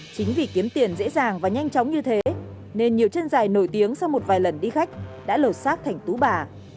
chính vì kiếm tiền dễ dàng và nhanh chóng như thế nên nhiều chân dài nổi tiếng sau một vài lần đi khách đã lột xác thành tú bà